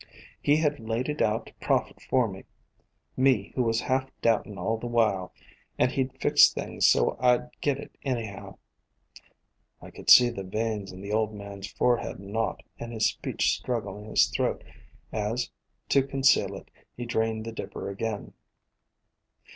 He had laid it out to profit for me, me who was half doubtin' all the while, and he 'd fixed things so I 'd get it anyhow." I could see the veins in the old man's forehead A COMPOSITE FAMILY 263 knot and his speech struggle in his throat as, to conceal it, he drained the dipper again.